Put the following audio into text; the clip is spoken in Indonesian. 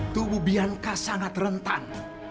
tubuh bianca sangat rentan